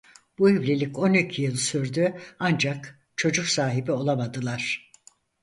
Bu evlilik on iki yıl sürdü ancak çocuk sahibi olamadılar.